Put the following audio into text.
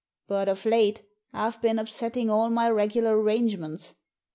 But of late I've been up setting all my regular arrangements.